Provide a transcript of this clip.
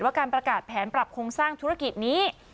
การประกาศแผนปรับโครงสร้างธุรกิจนี้